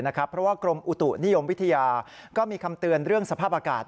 เพราะว่ากรมอุตุนิยมวิทยาก็มีคำเตือนเรื่องสภาพอากาศ